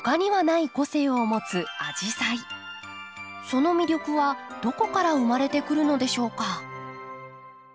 その魅力はどこから生まれてくるのでしょうか？